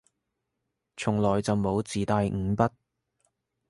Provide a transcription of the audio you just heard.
從來就冇自帶五筆